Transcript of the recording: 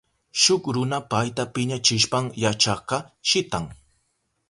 Shuk runa payta piñachishpan yachakka shitan.